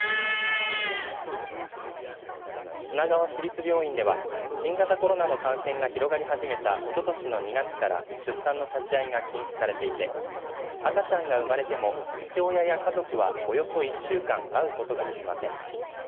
砂川市立病院では新型コロナの感染が広がり始めたおととしの２月から出産の立ち会いが禁止されていて赤ちゃんが生まれても父親や家族はおよそ１週間会うことができません。